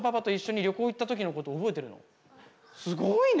すごいね！